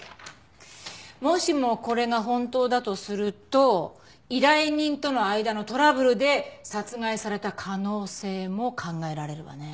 もしもこれが本当だとすると依頼人との間のトラブルで殺害された可能性も考えられるわね。